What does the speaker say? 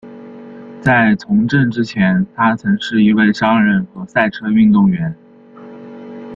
在从政之前他曾是一位商人和赛车运动员。